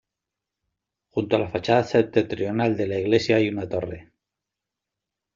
Junto a la fachada septentrional de la iglesia hay una torre.